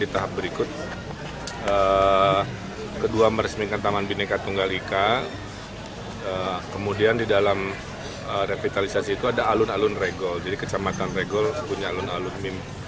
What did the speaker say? taman alun alun regol jadi kecamatan regol punya alun alun mimpi